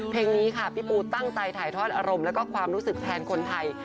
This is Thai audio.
เพลงนี้ค่ะพี่ปูตั้งใจถ่ายทอดอารมณ์แล้วก็ความรู้สึกแทนคนไทย